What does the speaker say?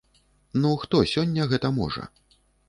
Ну хто сёння гэта можа?